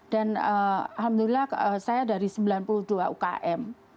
dan alhamdulillah saya dari sembilan puluh dua ukm